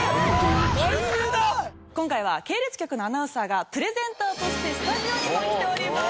今回は系列局のアナウンサーがプレゼンターとしてスタジオにも来ております。